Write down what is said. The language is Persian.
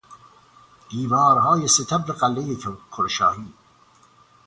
دیوارهای ستبر قعلهی کرشاهی